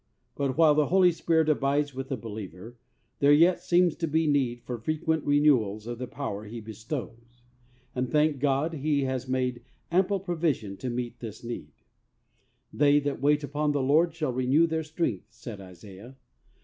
But while the Holy Spirit abides with the believer, there yet seems to be need for frequent renewals of the power He bestows. And, thank God, He has made ample pro THE RENEWING OF POWER. 83 vision to meet this need. "They that wait upon the Lord shall renew their strength," said Isaiah.